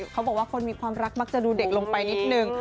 เขาบอกว่าคนมีความรักมักจะดูเด็กลงไปนิดนึง